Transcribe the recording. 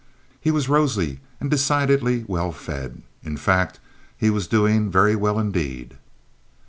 He was rosy and decidedly well fed. In fact, he was doing very well indeed.